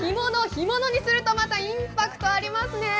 干物にすると、またインパクトありますね。